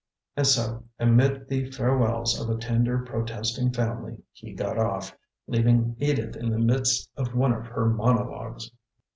And so, amid the farewells of a tender, protesting family, he got off, leaving Edith in the midst of one of her monologues.